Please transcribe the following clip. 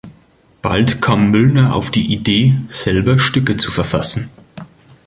Bald kam Müllner auf die Idee, selber Stücke zu verfassen.